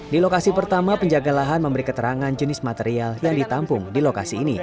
di lokasi pertama penjaga lahan memberi keterangan jenis material yang ditampung di lokasi ini